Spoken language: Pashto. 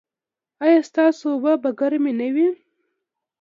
ایا ستاسو اوبه به ګرمې نه وي؟